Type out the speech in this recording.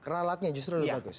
ralatnya justru bagus